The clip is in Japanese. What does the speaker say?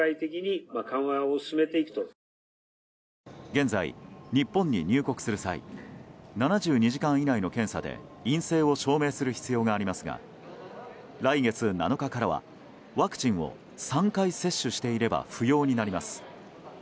現在、日本に入国する際７２時間以内の検査で陰性を証明する必要がありますが来月７日からはワクチンを３回接種していれば不要になります。